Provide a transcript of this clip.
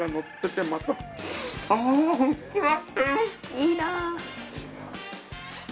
いいなぁ。